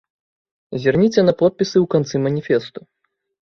Зірніце на подпісы ў канцы маніфесту.